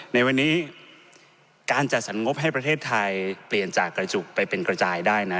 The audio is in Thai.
ในวันนี้การจัดสรรงบให้ประเทศไทยเปลี่ยนจากกระจุกไปเป็นกระจายได้นะ